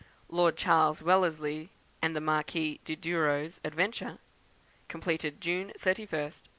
Lord Charles Wellesley and the Marquis of Douro's Adventure; completed June 31st, 1829.